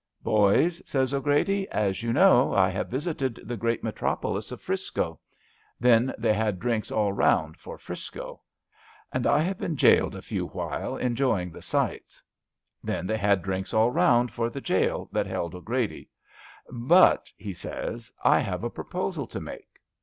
' Boys,* says 'Grady, ' as you know, I have visited the great metropolis of 'Frisco.* Then they bad drinks all round for 'Frisco. * And I have been jailed a few while en joying the sights.' Then they had drinks all round for the jail that held 'Grady. ' But,' he says, * I have a proposal to make.'